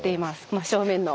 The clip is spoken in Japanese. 真正面の。